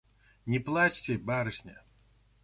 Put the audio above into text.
Не плачьте, барышня!